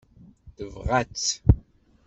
Tebɣa-tt.